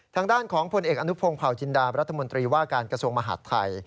ทางด้านของผลเอกอนุพงศ์เผาจินดารัฐมนตรีว่าการกระทรวงมหาดไทย